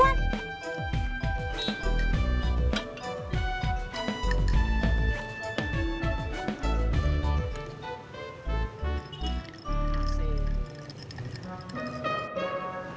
udah sono tuh buruan